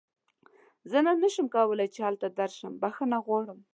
زه نن نشم کولی چې هلته درشم، بښنه کوه.